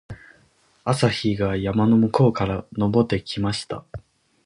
朝日が山の向こうから昇ってきました。